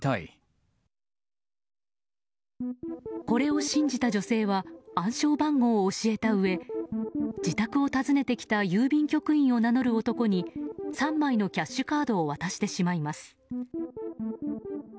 これを信じた女性は暗証番号を教えたうえ自宅を訪ねてきた郵便局員を名乗る男に３枚のキャッシュカードを渡してしまいます。